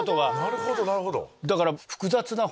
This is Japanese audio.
なるほどなるほど。